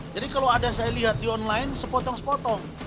jadi kalau ada yang saya lihat di online sepotong sepotong